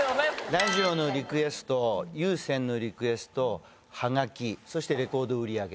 ラジオのリクエスト有線のリクエストハガキそしてレコード売り上げ